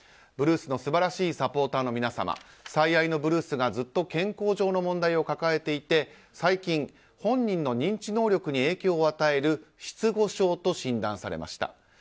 ブルースの素晴らしいサポーターの皆様最愛のブルースがずっと健康上の問題を抱えていて最近、本人の認知能力に影響を与える失語症と診断されました。